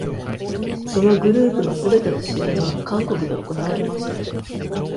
そのグループのすべての試合は韓国で行われました。